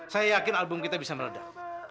saya yakin album kita bisa meledak